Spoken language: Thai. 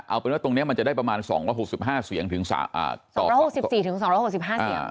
เอาเป็นว่าตรงเนี้ยมันจะได้ประมาณสองร้อยหกสิบห้าเสียงถึงสาอ่าสองร้อยหกสิบสี่ถึงสองร้อยหกสิบห้าเสียง